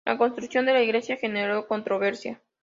La construcción de la iglesia generó controversia.